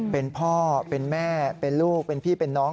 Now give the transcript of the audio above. เป็นพ่อเป็นแม่เป็นลูกเป็นพี่เป็นน้อง